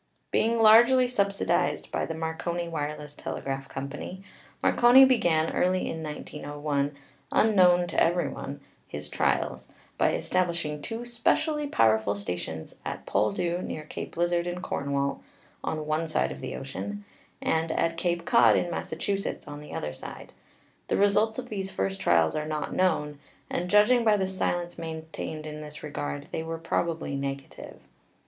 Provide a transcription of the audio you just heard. Being largely subsidized by the Marconi Wireless Tele graph Company, Marconi began, early in 1901, unknown to every one, his trials, by establishing two specially pow erful stations at Poldhu, near Cape Lizard, in Cornwall, on one side of the ocean, and at Cape Cod, in Massachu setts, on the other side. The results of these first trials are not known, and judging by the silence maintained in this regard they were probably negative.